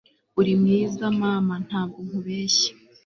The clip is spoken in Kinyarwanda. uri mwiza, mama, ntabwo nkubeshya